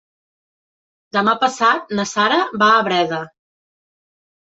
Demà passat na Sara va a Breda.